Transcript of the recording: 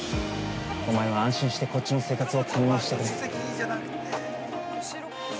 おまえは安心してこっちの生活を堪能してくれ。